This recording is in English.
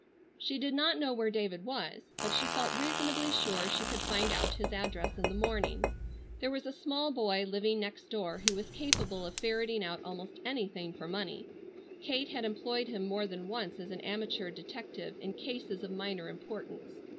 She did not know where David was but she felt reasonably sure she could find out his address in the morning. There was a small boy living next door who was capable of ferreting out almost anything for money. Kate had employed him more than once as an amateur detective in cases of minor importance.